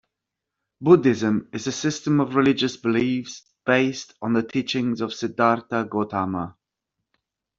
Buddhism is a system of religious beliefs based on the teachings of Siddhartha Gautama.